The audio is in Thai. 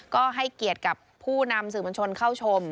ก็ให้เกียรติกับผู้นำสื่อมวลชนเข้าชม